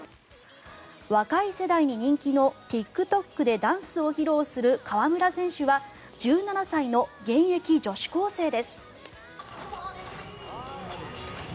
若い世代に人気のＴｉｋＴｏｋでダンスを披露する川村選手は１７歳の現役女子高生です。